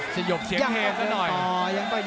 ยังต้องเตะต่อยังต้องเตะต่อ